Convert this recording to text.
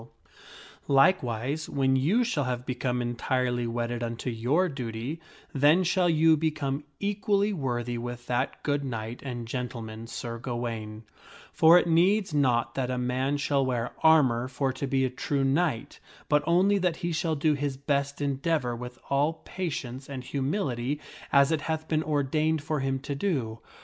3 I2 THE STORY OF SIR GAWAINE Likewise, when you shall have become entirely wedded unto your duty, then shall you become equally worthy with that good knight and gentle man Sir Gawaine ; for it needs not that a man shall wear armor for to be a true knight, but only that he shall do his best endeavor with all patience and humility as it hath been ordained for him to do.